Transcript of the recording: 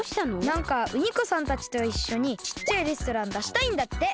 なんかウニコさんたちといっしょにちっちゃいレストランだしたいんだって。